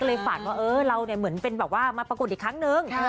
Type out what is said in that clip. ฝันว่าเออเราเหมือนเป็นแบบว่ามาปรากฏอีกครั้งนึง